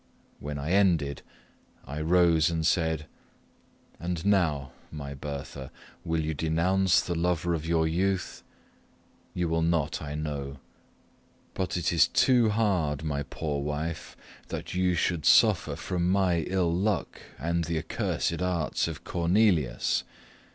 When I ended, I rose and said, "And now, my Bertha, will you denounce the lover of your youth? You will not, I know. But it is too hard, my poor wife, that you should suffer from my ill luck and the accursed arts of Cornelius.